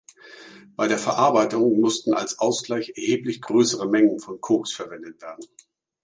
Bei der Verarbeitung mussten als Ausgleich erheblich größere Mengen von Koks verwendet werden.